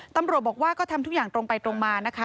ตำรวจบอกว่าก็ทำทุกอย่างตรงไปตรงมานะคะ